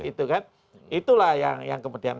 itu kan itulah yang kemudian